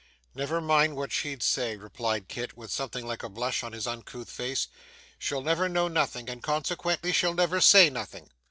'Never mind what she'd say,' replied Kit, with something like a blush on his uncouth face; 'she'll never know nothing, and consequently, she'll never say nothing.